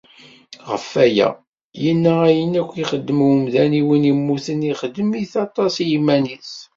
Ɣef waya, yenna ayen akk ixeddem umdan i win immuten, ixeddem-it aṭas i yiman-is.